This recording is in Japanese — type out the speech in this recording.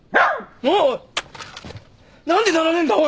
おい何で鳴らねえんだおい。